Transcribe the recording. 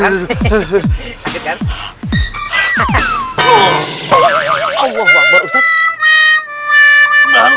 allah wabarakatuh ustad